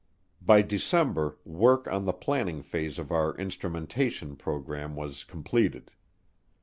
By December work on the planning phase of our instrumentation program was completed.